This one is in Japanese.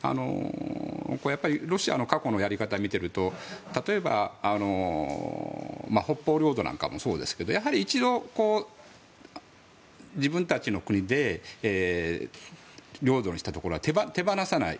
ロシアの過去のやり方を見ていると例えば北方領土なんかもそうですけどやはり一度、自分たちの国で領土にしたところは手放さない。